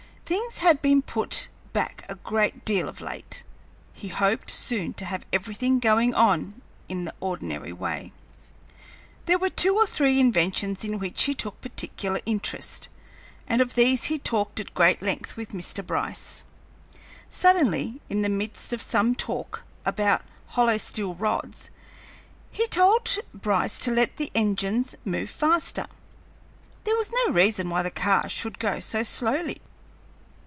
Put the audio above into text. Things had been put back a great deal of late. He hoped soon to have everything going on in the ordinary way. There were two or three inventions in which he took particular interest, and of these he talked at great length with Mr. Bryce. Suddenly, in the midst of some talk about hollow steel rods, he told Bryce to let the engines move faster; there was no reason why the car should go so slowly.